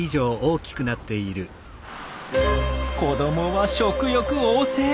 子どもは食欲旺盛。